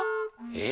え？